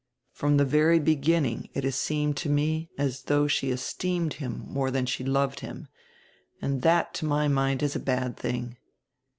From the very beginning it has seemed to me as though she esteemed him more than she loved him, and that to my mind is a bad tiling.